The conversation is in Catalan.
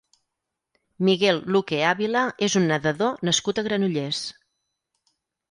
Miguel Luque Avila és un nedador nascut a Granollers.